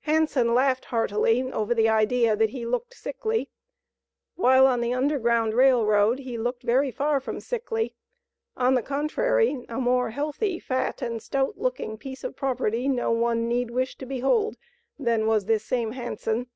Hanson laughed heartily over the idea that he looked "sickly." While on the Underground Rail Road, he looked very far from sickly; on the contrary, a more healthy, fat, and stout looking piece of property no one need wish to behold, than was this same Hanson.